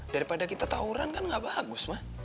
daripada kita tawuran kan gak bagus mah